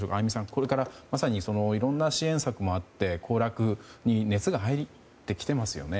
これからいろんな支援策もあって行楽に熱が入ってきていますよね。